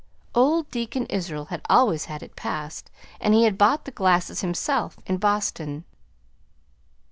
Old Deacon Israel had always had it passed, and he had bought the glasses himself in Boston.